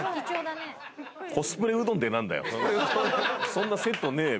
そんなセットねえよ。